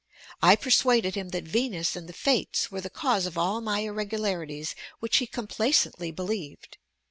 I persuaded him that Venus and the Fates were the cause of all my irregularities, which he complaisantly believed.